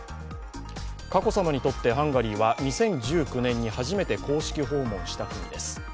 佳子さまにとってハンガリーは２０１９年に初めて公式訪問した国です。